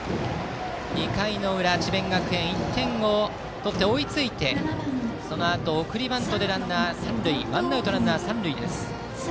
２回の裏、智弁学園１点を取って追いついてそのあと送りバントでワンアウトランナー、三塁です。